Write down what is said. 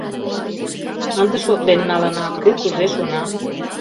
Ынде шотлен налына: кӧ кузе шона?